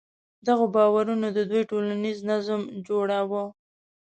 دغو باورونو د دوی ټولنیز نظم جوړاوه.